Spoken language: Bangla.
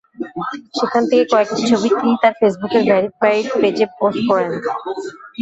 সেখান থেকে কয়েকটি ছবি তিনি তার ফেসবুকের ভেরিফাইড পেজে পোস্ট করেন।